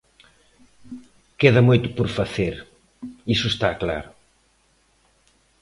Queda moito por facer, iso está claro.